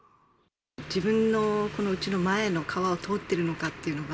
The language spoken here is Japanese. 自分のうちの前の川を通っているかっていうのが。